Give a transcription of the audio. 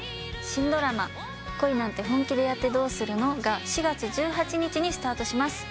新ドラマ『恋なんて、本気でやってどうするの？』が４月１８日にスタートします。